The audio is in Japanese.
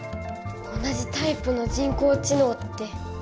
同じタイプの人工知能って。